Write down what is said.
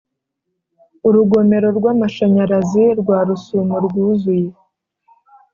Urugomero rwamashanyarazi rwa Rusumo rwuzuye